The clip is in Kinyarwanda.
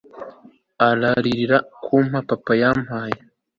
ararira nkuko papa yampaye